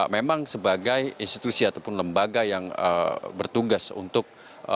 memang sebagai institusi ataupun lembaga yang bertugas untuk